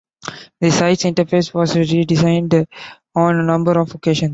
The site's interface was redesigned on a number of occasions.